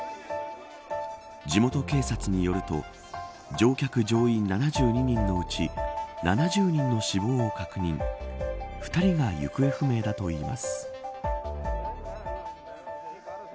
地元警察によると乗客乗員７２人のうち７０人の死亡を確認２人が行方不明だといいます。